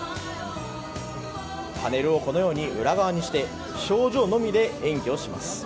パネルをこのように裏側にして表情のみで演技をします。